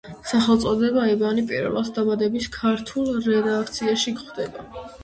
სახელწოდება ებანი პირველად „დაბადების“ ქართულ რედაქციაში გვხვდება.